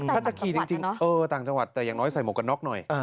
ถ้าจะขี่จริงต่างจังหวัดแต่อย่างน้อยใส่หมวกกันน็อกหน่อย